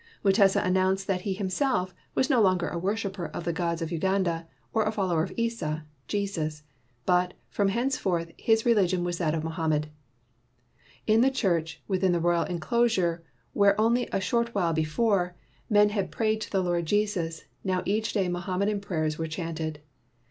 Mutesa announced that he himself was no longer a worshiper of the gods of Uganda or a follower of Isa [Jesus], but, from hence forth, his religion was that of Mohammed. In the church, within the royal enclosure where only a short while before men had 139 WHITE MAN OF WORK prayed to the Lord Jesus, now each day Mo hammedan prayers were chanted.